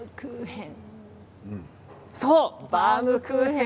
バウムクーヘン。